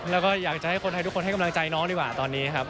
แล้วก็อยากจะให้คนไทยทุกคนให้กำลังใจน้องดีกว่าตอนนี้ครับ